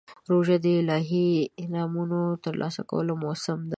روژه د الهي انعامونو ترلاسه کولو موسم دی.